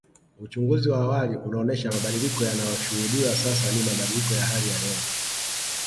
Uchunguzi wa awali unaonesha mabadiliko yanayoshuhudiwa sasa ni mabadiliko ya hali ya hewa